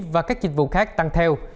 và các dịch vụ khác tăng theo